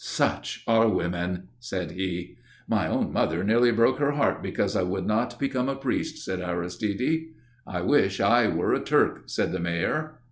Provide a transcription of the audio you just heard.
"Such are women," said he. "My own mother nearly broke her heart because I would not become a priest," said Aristide. "I wish I were a Turk," said the Mayor.